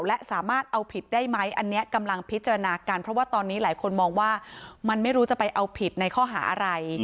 และสามารถเอาผิดได้ไหมอันนี้กำลังพิจารณากันเพราะว่าตอนนี้หลายคนมองว่ามันไม่รู้จะไปเอาผิดในข้อหาอะไร